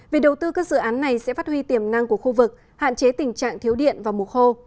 việc đầu tư các dự án này sẽ phát huy tiềm năng của khu vực hạn chế tình trạng thiếu điện vào mùa khô